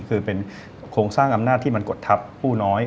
คือเป็นโครงสร้างอำนาจที่มันกดทับผู้น้อย